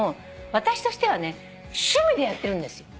私としてはね趣味でやってるんですよ。